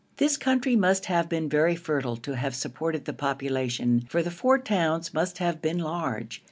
This country must have been very fertile to have supported the population, for the four towns must have been large.